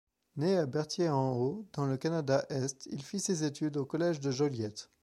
Né à Berthier-en-Haut dans le Canada-Est, il fit ses études au Collège de Joliette.